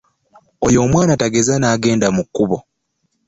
Oyo omwana tageza n'agenda mu kubo.